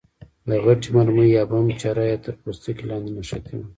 د غټې مرمۍ یا بم چره یې تر پوستکي لاندې نښتې وه.